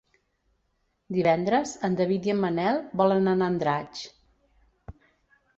Divendres en David i en Manel volen anar a Andratx.